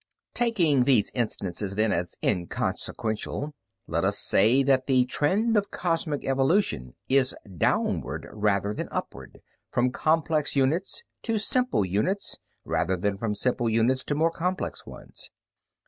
"Taking these instances, then, as inconsequential, let us say that the trend of cosmic evolution is downward rather than upward, from complex units to simpler units rather than from simple units to more complex ones.